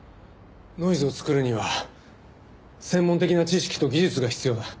ノイズを作るには専門的な知識と技術が必要だ。